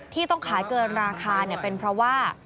ที่ต้องขายเกินราคาเป็นเพราะว่า